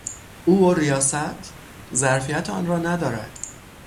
او و ریاست! ظرفیت آن را ندارد.